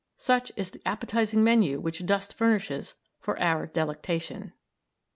Such is the appetising menu which dust furnishes for our delectation.